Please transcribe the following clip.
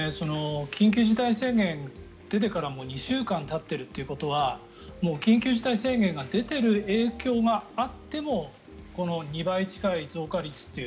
緊急事態宣言が出てからもう２週間たってるということはもう緊急事態宣言が出ている影響があってもこの２倍近い増加率という。